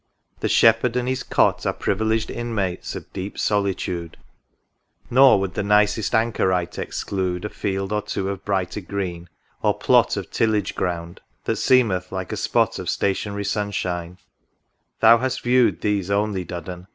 the Shepherd and his Cot Are privileged Inmates of deep solitude ; Nor would the nicest Anchorite exclude A field or two of brighter green, or plot Of tillage ground, that seemeth like a spot Of stationary sunshine :— thou hast viewed These only, Duddon